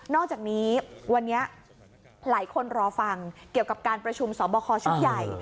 อกจากนี้วันนี้หลายคนรอฟังเกี่ยวกับการประชุมสอบคอชุดใหญ่